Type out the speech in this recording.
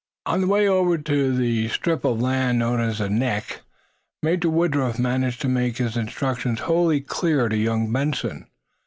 On the way over to the strip of land known as the "neck" Major Woodruff managed to make his instructions wholly clear to young Benson.